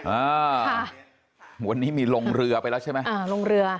อ่าวันนี้มีลงเรือไปแล้วใช่ไหมอ่าลงเรือ